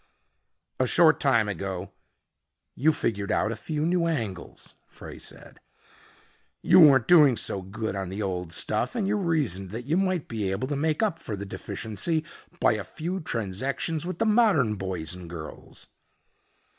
"A short time ago you figured out a few new angles," Frey said. "You weren't doing so good on the old stuff and you reasoned that you might be able to make up for the deficiency by a few transactions with the modern boys and girls."